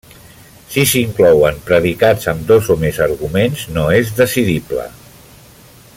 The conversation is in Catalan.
Si s'inclouen predicats amb dos o més arguments, no és decidible.